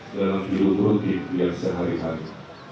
dalam diri berhutang biasa hari hari